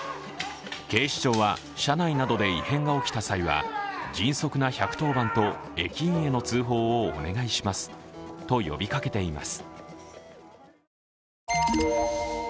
警視庁は、車内などで異変が起きた際は迅速な１１０番と駅員への通報をお願いしますと呼びかけています。